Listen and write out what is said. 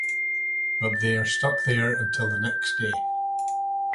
But they are stuck there until the next day.